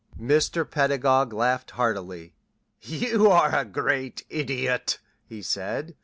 '" Mr. Pedagog laughed heartily. "You are a great Idiot," he said.